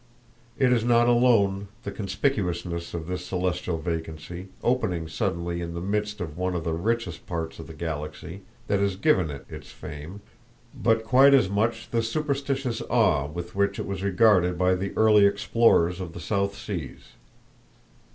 It is not alone the conspicuousness of this celestial vacancy, opening suddenly in the midst of one of the richest parts of the Galaxy, that has given it its fame, but quite as much the superstitious awe with which it was regarded by the early explorers of the South Seas.